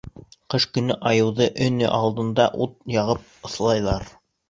Ҡыш көнө айыуҙы өңө алдына ут яғып ыҫлайҙар.